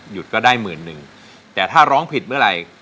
ก็ได้หมื่นหนึ่งแต่ถ้าร้องผิดเมื่อไหร่